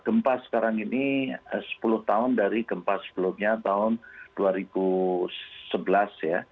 gempa sekarang ini sepuluh tahun dari gempa sebelumnya tahun dua ribu sebelas ya